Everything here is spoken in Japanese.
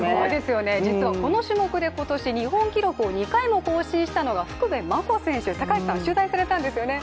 実はこの種目で日本記録を２回も更新したのが福部真子選手、高橋さん、取材されたんですよね？